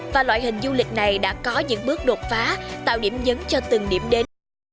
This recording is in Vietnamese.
và loại hình du lịch này đã có những bước đột phá tạo điểm dấn cho từng điểm đến